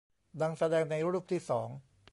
ดังแสดงในรูปที่สอง